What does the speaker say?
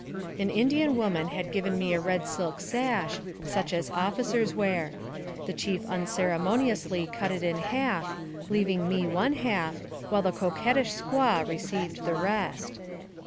An Indian woman had given me a red silk sash, such as officers wear. The chief unceremoniously cut it in half, leaving me one half, while the coquettish squaw received the rest.